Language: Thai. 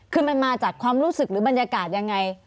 คือมันมาจากความรู้สึกหรือบรรยากาศยังไง